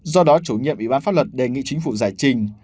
do đó chủ nhiệm ủy ban pháp luật đề nghị chính phủ giải trình